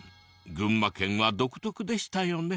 群馬県は独特でしたよね。